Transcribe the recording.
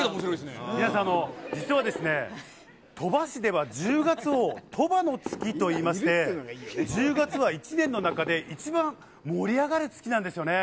皆さん、実はですね、鳥羽市では１０月を鳥羽の月といいまして、１０月は一年の中で、一番盛り上がる月なんですよね。